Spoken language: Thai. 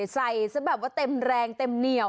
ใส่ซะแบบว่าเต็มแรงเต็มเหนียว